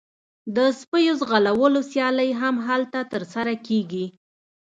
د سپیو ځغلولو سیالۍ هم هلته ترسره کیږي